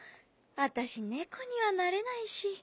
私猫にはなれないし。